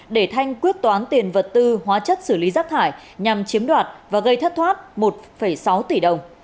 để thanh quyết toán tiền vật tư hóa chất xử lý rác thải nhằm chiếm đoạt và gây thất thoát một sáu tỷ đồng